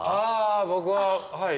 僕ははい。